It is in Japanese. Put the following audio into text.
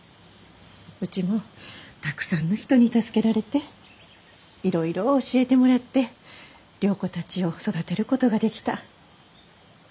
うちもたくさんの人に助けられていろいろ教えてもらって良子たちを育てることができた。